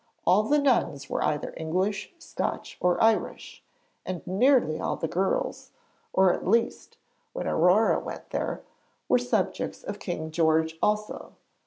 All the nuns were either English, Scotch, or Irish, and nearly all the girls at least, when Aurore went there were subjects of King George also.